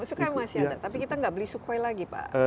sukhoi masih ada tapi kita nggak beli sukhoi lagi pak